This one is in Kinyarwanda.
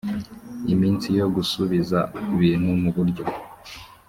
iminsi yo gusubiza ibintu mu buryo